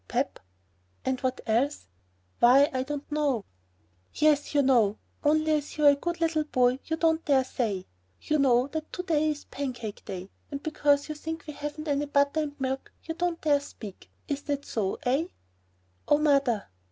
"Pap." "And what else?" "Why, I don't know." "Yes, you know, only as you are a good little boy, you don't dare say. You know that to day is Pancake day, and because you think we haven't any butter and milk you don't dare speak. Isn't that so, eh? "Oh, Mother."